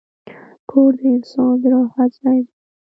کور د انسان د راحت ځای دی.